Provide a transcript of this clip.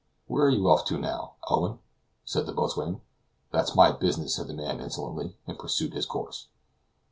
"Where are you off to now, Owen?" said the boatswain. "That's my business," said the man insolently, and pursued his course.